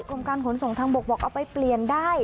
กรมการขนส่งทางบกบอกเอาไปเปลี่ยนได้